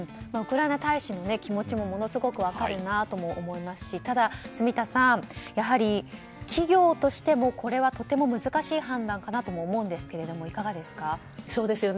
ウクライナ大使の気持ちもものすごく分かるなとも思いますしただ住田さん、企業としてもこれはとても難しい判断かなと思うんですけども、いかがですか。